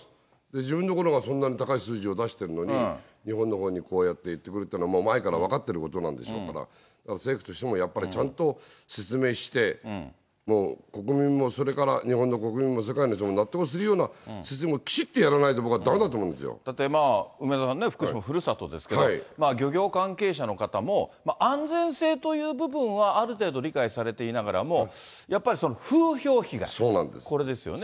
自分のところはそんなに高い数字を出してるのに、日本のほうにこうやって言ってくるというのは、もう前から分かってることなんでしょうから、政府としてもやっぱりちゃんと説明して、もう国民も、それから日本の国民も、世界の人も納得するような説明をきちっとやらないと、だってまあ、梅沢さんね、福島、ふるさとですからね、漁業関係者の方も、安全性という部分はある程度、理解されていながらも、やっぱり風評被害、これですよね。